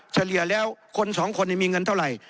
เฉลี่ยแล้วคนสองคนมีเงินเท่าไหร่